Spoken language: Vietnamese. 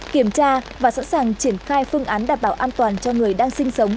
kiểm tra và sẵn sàng triển khai phương án đảm bảo an toàn cho người đang sinh sống